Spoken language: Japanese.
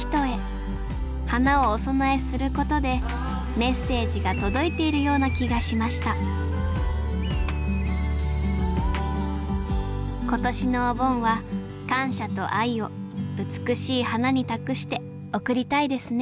花をお供えすることでメッセージが届いているような気がしました今年のお盆は感謝と愛を美しい花に託して送りたいですね